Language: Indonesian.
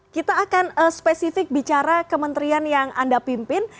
kita akan spesifik bicara kementerian yang anda pimpin